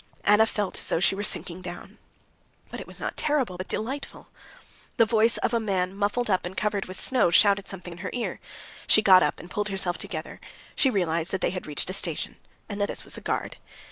Anna felt as though she were sinking down. But it was not terrible, but delightful. The voice of a man muffled up and covered with snow shouted something in her ear. She got up and pulled herself together; she realized that they had reached a station and that this was the guard.